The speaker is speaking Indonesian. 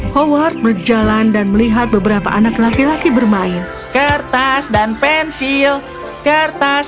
howard berjalan dan melihat beberapa anak laki laki bermain kertas dan pensil kertas